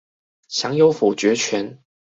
享有否決權